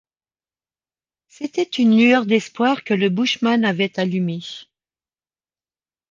C’était une lueur d’espoir que le bushman avait allumée.